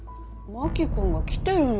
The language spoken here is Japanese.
真木君が来てるのに。